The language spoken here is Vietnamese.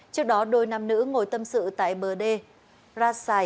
trước đó đôi nam nữ ngồi tâm sự tại bờ đê rai